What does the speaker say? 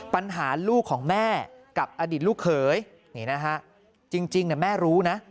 ปัญหาลูกของแม่กับอดีตลูกเขยนี่นะฮะจริงแม่รู้นะ